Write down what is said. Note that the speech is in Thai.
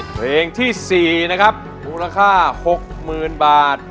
เพลงที่๔นะครับมูลค่า๖๐๐๐บาท